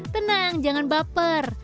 tenang jangan baper